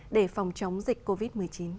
để phòng chống dịch covid một mươi chín